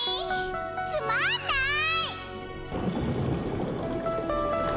つまんない。